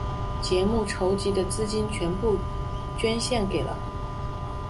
节目筹集的资金全部捐献给了。